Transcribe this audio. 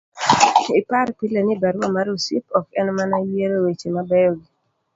ipar pile ni barua mar osiep ok en mana yiero weche mabeyo gi